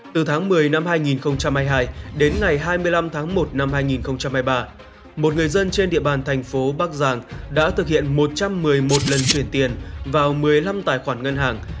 từ tháng một mươi năm hai nghìn hai mươi hai đến ngày hai mươi năm tháng một năm hai nghìn hai mươi ba một người dân trên địa bàn thành phố bắc giang đã thực hiện một trăm một mươi một lần chuyển tiền vào một mươi năm tài khoản ngân hàng